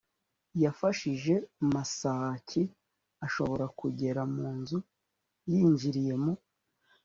yafashije masaaki ashobora kugera mu nzu yinjiriye mu